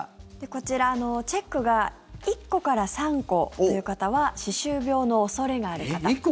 こちら、チェックが１個から３個という方は歯周病の恐れがある方。